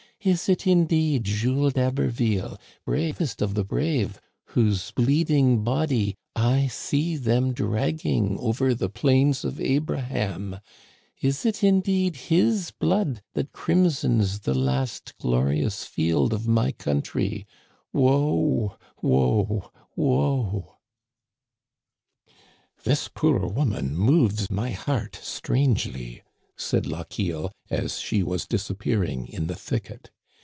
Is it, indeed, Jules d'Haberville, bravest of the brave, whose bleeding body I see them dragging over the Plains of Abraham ? Is it, indeed, his blood Digitized by VjOOQIC THE FEAST OF ST. JEAN BAPTISTE. 135 that crimsons the last glorious field of my country? Woe ! Woe ! Woe !"'* This poor woman moves my heart strangely, said Lochiel, as she was disappearing in the thicket.